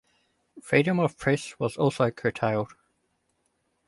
Freedom of press was also curtailed.